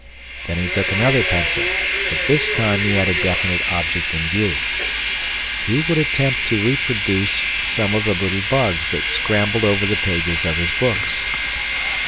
Then he took another pencil, but this time he had a definite object in view. He would attempt to reproduce some of the little bugs that scrambled over the pages of his books.